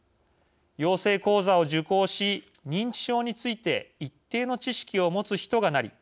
養成講座を受講し認知症について一定の知識を持つ人がなり